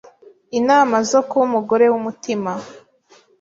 inama zo kuba umugore w’umutima